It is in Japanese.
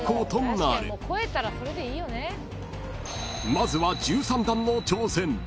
［まずは１３段の挑戦］